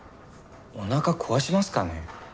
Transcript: おなか壊しますかね？